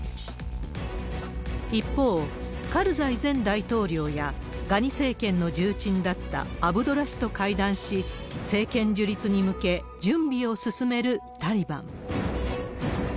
一方、カルザイ前大統領やガニ政権の重鎮だったアブドラ氏と会談し、政権樹立に向け準備を進めるタリバン。